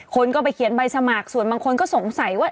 คนก็ไปเขียนใบสมัครส่วนบางคนก็สงสัยว่า